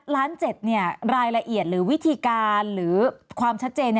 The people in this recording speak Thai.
ล้าน๗รายละเอียดหรือวิธีการหรือความชัดเจน